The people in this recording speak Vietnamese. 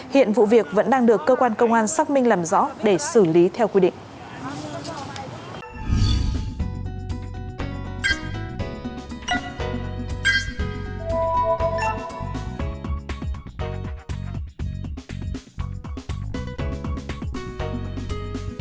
hiện vụ việc vẫn đang được cơ quan công an xác minh làm rõ để xử lý theo quy định